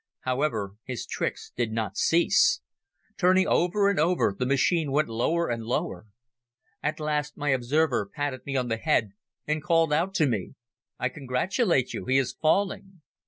However, his tricks did not cease. Turning over and over, the machine went lower and lower. At last my observer patted me on the head and called out to me: "I congratulate you. He is falling."